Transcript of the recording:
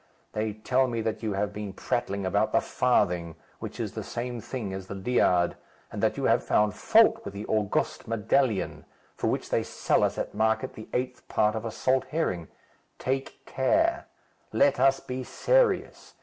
They tell me that you have been prattling about the farthing, which is the same thing as the liard, and that you have found fault with the august medallion, for which they sell us at market the eighth part of a salt herring. Take care; let us be serious.